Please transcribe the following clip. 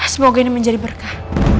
semoga ini menjadi berkah